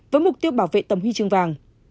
với mục tiêu bảo vệ tầm huy chương vàng